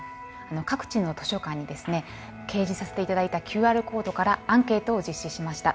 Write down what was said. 各地の図書館に掲示させて頂いたＱＲコードからアンケートを実施しました。